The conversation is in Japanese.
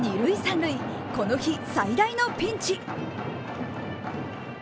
２塁３塁、この日最大のピンチ。